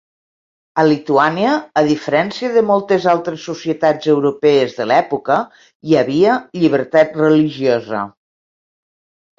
A Lituània, a diferència de moltes altres societats europees de l'època, hi havia llibertat religiosa.